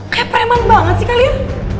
kayak preman banget sih kalian